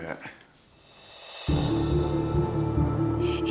kamu teman kakak